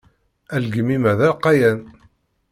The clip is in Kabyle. Agelmim-a d alqayan.